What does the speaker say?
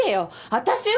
私は。